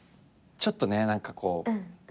ちょっとね何かこう。